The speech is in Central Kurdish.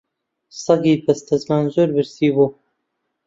سەگی بەستەزمان زۆر برسی بوو